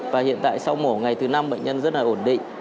và hiện tại sau mổ ngày thứ năm bệnh nhân rất là ổn định